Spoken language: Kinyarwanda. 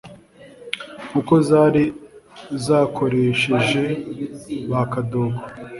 nk'uko zari zakoresheje ba Kadogo,